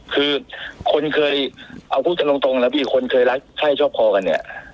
คือคนเคยเอาพูดกันตรงนะพี่คนเคยรักใครชอบพอกันเนี่ย